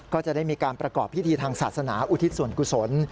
ก็จะได้มีการประกอบพิธีทางศาสนาอุทิศส่วนกุศล